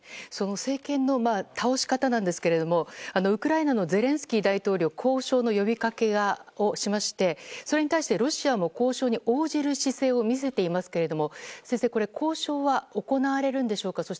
その政権の倒し方なんですけれどもウクライナのゼレンスキー大統領交渉の呼びかけをしましてそれに対してロシアも交渉に応じる姿勢を見せていますけれども先生、交渉は行われるんでしょうか。